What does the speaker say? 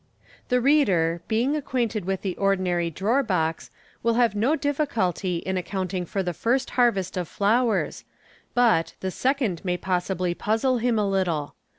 The reader, being acquainted with the ordinary drawer box, will have nc difficulty in accounting for the first harvest of flowers, but the second may possibly puzzle him a little.